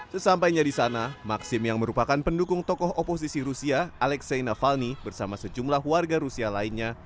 sesampainya di sana maksim yang merupakan pendukung tokoh oposisi rusia alexina falni bersama sejumlah warga rusia lainnya